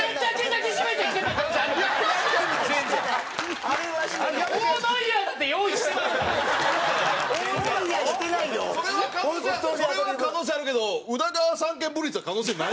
ケンコバ：それは可能性あるけど宇田川三権分立は可能性ない！